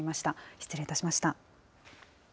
失礼いたしました。